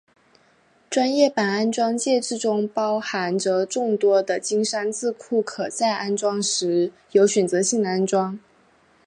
专业版安装介质中包含着众多的金山字库可在安装时有选择性的安装。